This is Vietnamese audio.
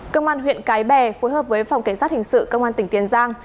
cơ quan huyện cái bè phối hợp với phòng cảnh sát hình sự công an tỉnh tiền giang